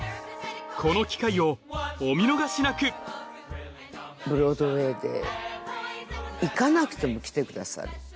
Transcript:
この機会をお見逃しなくブロードウェイで行かなくても来てくださる